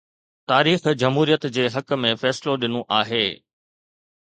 تاريخ جمهوريت جي حق ۾ فيصلو ڏنو آهي.